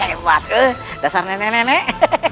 hebat dasar nenek nenek